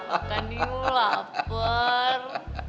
makan yuk lapar